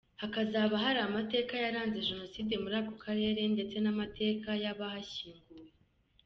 Hakazaba hari amateka yaranze Jenoside muri ako karere ndetse n’amateka y’abahashyinguwe.